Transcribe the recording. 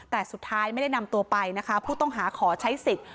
แต่สุดท้ายไม่ได้นำตัวไปนะคะผู้ต้องหาขอใช้สิทธิ์